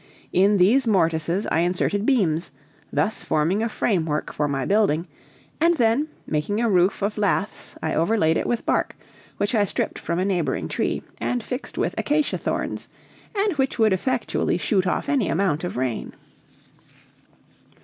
In these mortices I inserted beams, thus forming a framework for my building, and then, making a roof of laths, I overlaid it with bark, which I stripped from a neighboring tree, and fixed with acacia thorns, and which would effectually shoot off any amount of rain.